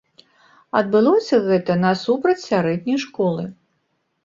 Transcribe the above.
Адбылося гэта насупраць сярэдняй школы.